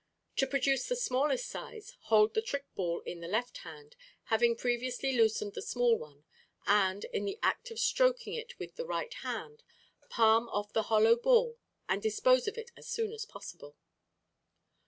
To produce the smallest size, hold the trick ball in the left hand, having previously loosened the small one, and, in the act of stroking it with the right hand, palm off the hollow ball and dispose of it as soon as possible.